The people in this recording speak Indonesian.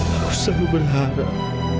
aku selalu berharap